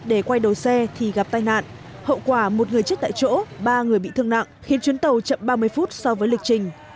để quay đầu xe thì gặp tai nạn hậu quả một người chết tại chỗ ba người bị thương nặng khiến chuyến tàu chậm ba mươi phút so với lịch trình